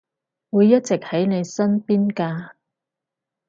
會一直喺你身邊㗎